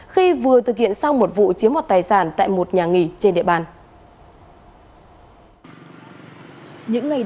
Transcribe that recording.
khi vừa bước ra từ một nhà nghỉ trên địa bàn